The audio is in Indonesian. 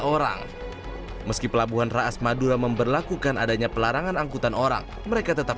orang meski pelabuhan raas madura memperlakukan adanya pelarangan angkutan orang mereka tetap